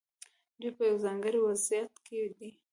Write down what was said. دوی په یو ځانګړي وضعیت کې دي.